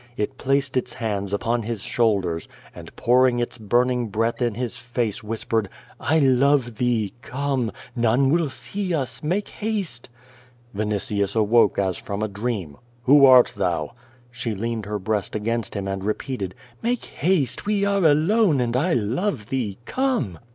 It placed its hands upon his shoulders, and pouring its burning breath in his face whis pered: "I love thee. Come! None will see us. ]!ilake haste." 246 Q^ 0 VADTS. Alnitius awoke as from a dream. "Who art thou?'' She loaned her breast against him and repeated: "Make haste! We are alone, and I love thee. Come!'